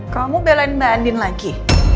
kamu belain mbak andin lagi